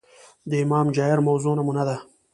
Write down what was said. د امام جائر موضوع نمونه ده